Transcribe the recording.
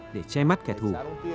để che mắt kẻ thù